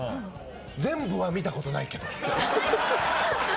全部は見たことないけどって。